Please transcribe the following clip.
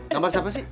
nama siapa sih